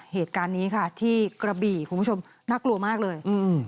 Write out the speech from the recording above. เหตุการณ์นี้ค่ะที่กระบี่คุณผู้ชมน่ากลัวมากเลย